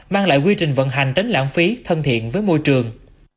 mang lại quy trình vận hành tránh lãng phí thân thiện với môi trường